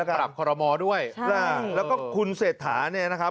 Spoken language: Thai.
รองการปรับคอรมมอด้วยใช่แล้วก็คุณเศรษฐาเนี่ยนะครับ